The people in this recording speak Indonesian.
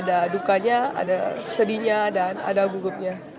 ada dukanya ada sedihnya dan ada gugupnya